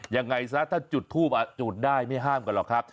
ยังไงซะถ้าจุดทูบจุดได้ไม่ห้ามกันหรอกครับ